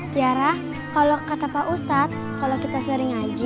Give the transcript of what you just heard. tiara kalau kata pak ustad